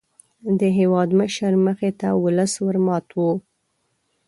د هېوادمشر مخې ته ولس ور مات وو.